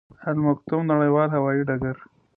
المکتوم نړیوال هوايي ډګر